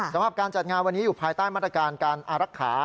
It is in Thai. สำหรับการจัดงานวันนี้อยู่ภายใต้มาตรการการอารักษา